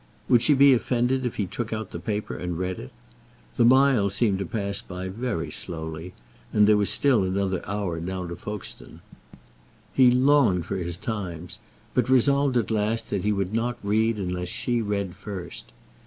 Would she be offended if he took out the paper and read it? The miles seemed to pass by very slowly, and there was still another hour down to Folkestone. He longed for his Times, but resolved at last that he would not read unless she read first.